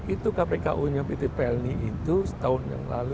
itu kpku nya pt pelni itu setahun yang lalu